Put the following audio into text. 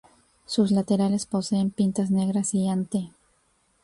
Sus laterales poseen pintas negras y ante.